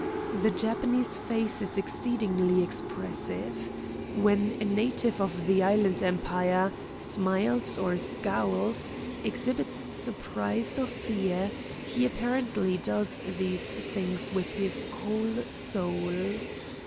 The Japanese face is exceedingly expressive. When a native of the Island Empire smiles or scowls, exhibits surprise or fear, he apparently does these things with his whole soul.